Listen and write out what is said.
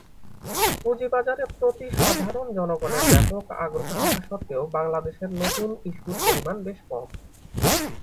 পুঁজিবাজারের প্রতি সাধারণ জনগণের ব্যাপক আগ্রহ থাকা সত্ত্বেও বাংলাদেশে নতুন ইস্যুর পরিমাণ বেশ কম।